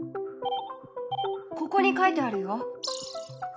ここに書いてあるよ。